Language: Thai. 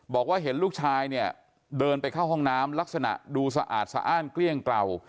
บอกว่าเห็นลูกชายเนี่ยเดินไปเข้าห้องน้ำลักษณะดูสะอาดสะอ้านเกลี้ยงกล่าว